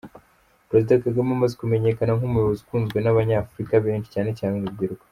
Perezida Kagame amaze kumenyekana nk’umuyobozi ukunzwe n’Abanyafurika benshi cyane cyane urubyiruko.